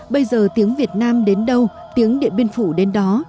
bây giờ tiếng việt nam đến đâu tiếng điện biên phủ đến đó